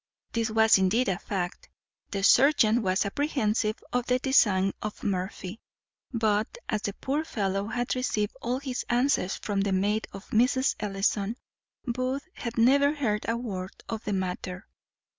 This was indeed a fact; the serjeant was apprehensive of the design of Murphy; but, as the poor fellow had received all his answers from the maid of Mrs. Ellison, Booth had never heard a word of the matter.